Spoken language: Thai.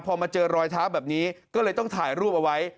พอมาเจอรอยเท้าแบบนี้ก็เลยต้องถ่ายรูปเอาไว้